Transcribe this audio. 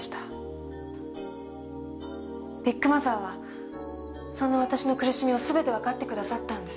ビッグマザーはそんな私の苦しみを全てわかってくださったんです。